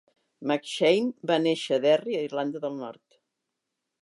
McShane va néixer a Derry, Irlanda del Nord.